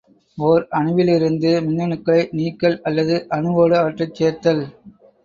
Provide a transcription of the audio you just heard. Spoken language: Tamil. ஒர் அணுவிலிருந்து மின்னணுக்களை நீக்கல் அல்லது அணுவோடு அவற்றைச் சேர்த்தல்.